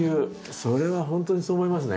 それは本当にそう思いますね。